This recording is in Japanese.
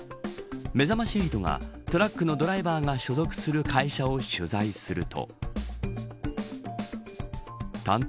めざまし８がトラックのドライバーが所属する会社を取材すると。